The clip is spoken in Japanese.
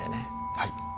はい。